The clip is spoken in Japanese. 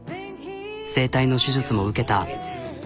声帯の手術も受けた。